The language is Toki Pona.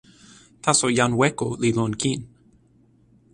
taso jan Weko li lon kin.